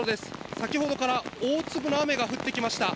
先ほどから大粒の雨が降ってきました。